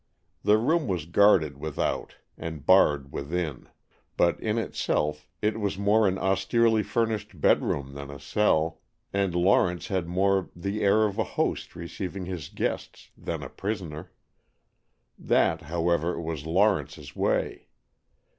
The room was guarded without and barred within, but in itself it was more an austerely furnished bedroom than a cell, and Lawrence had more the air of a host receiving his guests than a prisoner. That, however, was Lawrence's way.